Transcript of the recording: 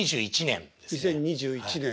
２０２１年。